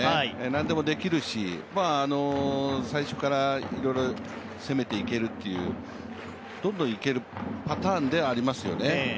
なんでもできるし、最初からいろいろ攻めていけるっていうどんどんいけるパターンでありますよね。